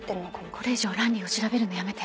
これ以上ランリーを調べるのやめて。